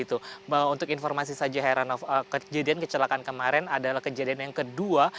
untuk informasi saja heranov kejadian kecelakaan kemarin adalah kejadian yang kedua